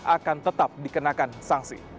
akan tetap dikenakan sanksi